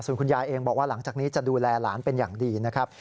คุณยายเองบอกว่าหลังจากนี้จะดูแลหลานเป็นอย่างดีนะครับ